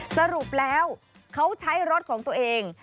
สรุปแล้วเขาใช้รถของตัวเอง